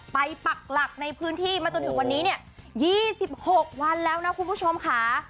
ปักหลักในพื้นที่มาจนถึงวันนี้เนี่ย๒๖วันแล้วนะคุณผู้ชมค่ะ